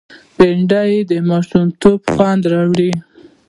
بېنډۍ د ماشومتوب خوند راوړي